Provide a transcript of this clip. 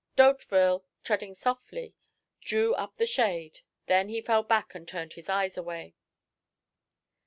D'Hauteville, treading softly, drew up the shade. Then he fell back and turned his eyes away.